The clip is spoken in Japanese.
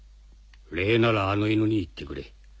礼ならあの犬に言ってくれ。